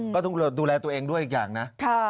ก็ต้องดูแลตัวเองด้วยอีกอย่างนะ